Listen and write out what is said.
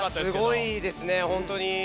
すごいですねほんとに。